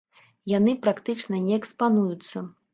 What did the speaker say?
Яны практычна не экспануюцца.